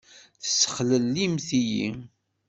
Tessexlellimt-iyi!